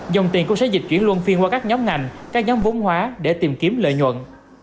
dòng tiền cũng sẽ dịch chuyển luôn phiên qua các nhóm ngành các nhóm vốn hóa để tìm kiếm lợi nhuận